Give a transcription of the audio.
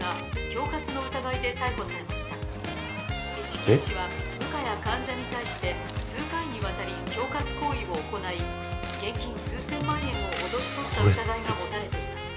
一木医師は部下や患者に対して数回にわたり恐喝行為を行い現金数千万円を脅し取った疑いが持たれています。